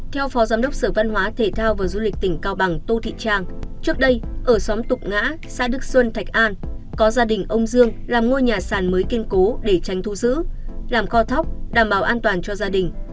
theo phó giám đốc sở văn hóa thể thao và du lịch tỉnh cao bằng tô thị trang trước đây ở xóm tục ngã xã đức xuân thạch an có gia đình ông dương làm ngôi nhà sàn mới kiên cố để tranh thu giữ làm kho thóc đảm bảo an toàn cho gia đình